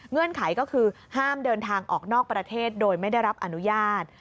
ไขก็คือห้ามเดินทางออกนอกประเทศโดยไม่ได้รับอนุญาต